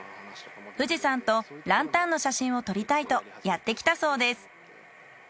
富士山とランタンの写真を撮りたいとやって来たそうです。